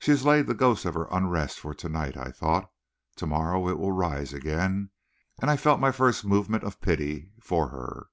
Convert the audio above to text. "She has laid the ghost of her unrest for to night," thought I. "To morrow it will rise again." And I felt my first movement of pity for her.